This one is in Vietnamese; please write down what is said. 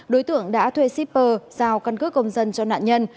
đối tượng đã thuê shipper giao căn cứ công dân cho nạn nhân